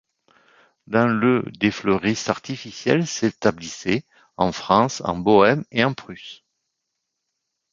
Dans le des fleuristes artificiels s’établissaient en France, en Bohême et en Prusse.